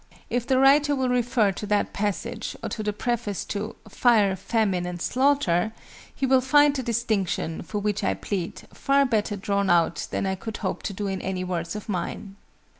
If the writer will refer to that passage, or to the preface to "Fire, Famine, and Slaughter," he will find the distinction, for which I plead, far better drawn out than I could hope to do in any words of mine.